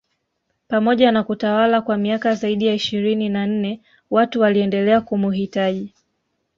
Pamoja na kutawala kwa miaka zaidi ya ishirini na nne watu waliendelea kumuhitaji